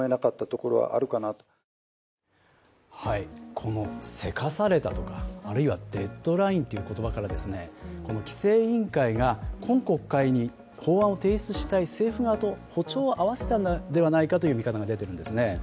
このせかされたとかあるいはデッドラインという言葉から規制委員会が今国会に法案を提出したい政府側と歩調を合わせたのではないかという見方が出ているんですね。